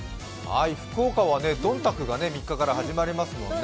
福岡は、どんたくが３日から始まりますもんね。